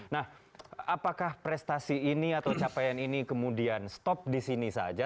nah apakah prestasi ini atau capaian ini kemudian stop di sini saja